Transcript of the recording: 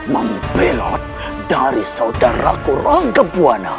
membelot dari saudaraku rangga buwana